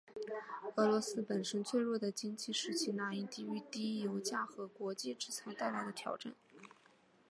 俄罗斯本身脆弱的经济使其难以抵御低油价和国际制裁带来的挑战。